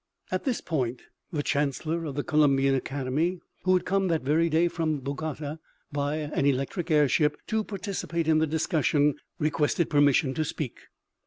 At this point the chancellor of the Columbian academy, who had come that very day from Bogota by an elcetric air ship to participate in the discussion, requested permis sion to speak.